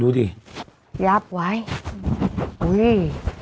ดูดิยับไว้อุ้ย